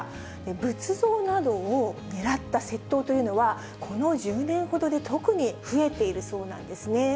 仏像などを狙った窃盗というのは、この１０年ほどで特に増えているそうなんですね。